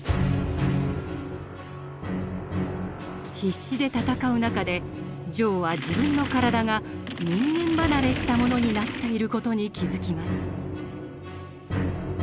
必死で戦う中でジョーは自分の体が人間離れしたものになっている事に気付きます。